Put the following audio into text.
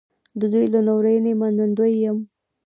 د دوی له لورینې منندوی یم.